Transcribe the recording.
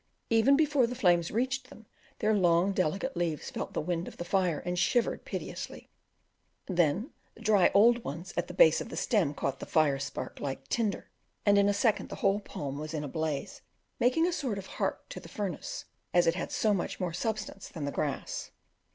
Even before the flames reached them their long delicate leaves felt the wind of the fire and shivered piteously; then the dry old ones at the base of the stem caught the first spark like tinder, and in a second the whole palm was in a blaze, making a sort of heart to the furnace, as it had so much more substance than the grass.